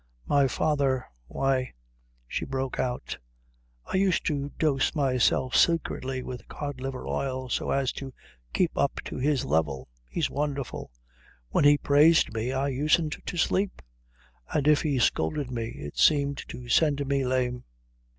My father why," she broke out, "I used to dose myself secretly with cod liver oil so as to keep up to his level. He's wonderful. When he praised me I usedn't to sleep. And if he scolded me it seemed to send me lame."